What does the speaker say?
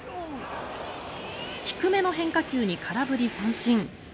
低めの変化球に空振り三振。